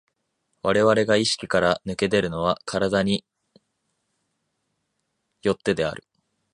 我々が意識から脱け出るのは身体に依ってである。